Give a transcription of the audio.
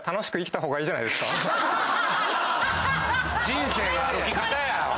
人生の歩き方や！